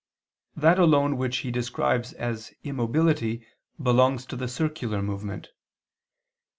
That alone which he describes as immobility belongs to the circular movement.